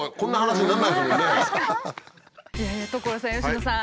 所さん佳乃さん。